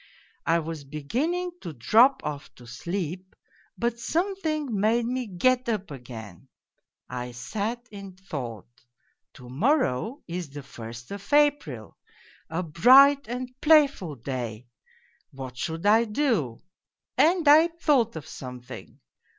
I was beginning to drop off to sleep, but something made me get up again. I sat in thought : to morrow is the first of April, a bright and playful day what should I do ? And I thought of something.